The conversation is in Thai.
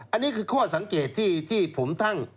อันนี้คือข้อสังเกตที่ผมตั้ง